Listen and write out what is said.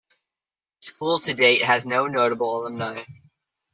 The school to date has no notable alumni.